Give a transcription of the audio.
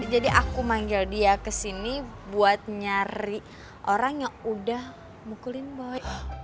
jadi aku manggil dia kesini buat nyari orang yang udah mukulin boy